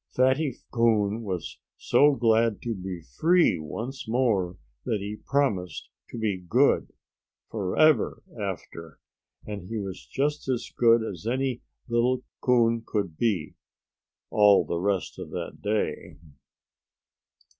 Fatty Coon was so glad to be free once more that he promised to be good forever after. And he was just as good as any little coon could be all the rest of that day.